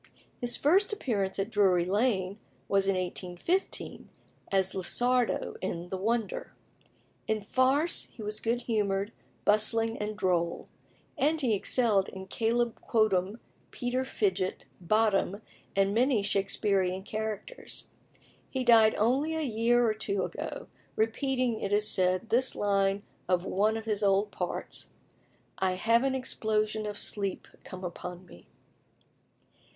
His first appearance at Drury Lane was in 1815, as Lissardo in "The Wonder." In farce he was good humoured, bustling, and droll; and he excelled in Caleb Quotem, Peter Fidget, Bottom, and many Shaksperean characters. He died only a year or two ago, repeating, it is said, this line of one of his old parts: "I have an exposition of sleep come upon me."